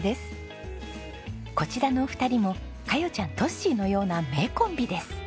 こちらのお二人もカヨちゃんトッシーのような名コンビです。